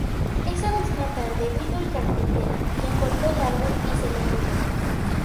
Esa misma tarde vino el carpintero, quien cortó el árbol y se lo llevó.